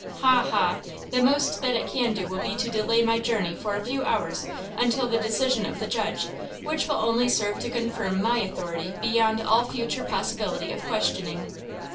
Ha, ha! The most that it can do will be to delay my journey for a few hours until the decision of the judge, which will only serve to confirm my authority beyond all future possibility of questioning."